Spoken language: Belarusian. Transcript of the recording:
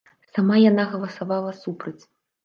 Сама яна галасавала супраць.